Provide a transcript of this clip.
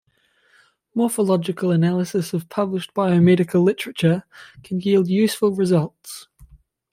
Morphological analysis of published biomedical literature can yield useful results.